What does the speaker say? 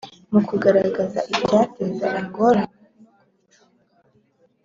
mu kugaragaza ibyateza ingorane no kubicunga